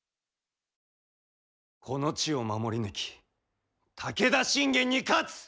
この地を守り抜き武田信玄に勝つ！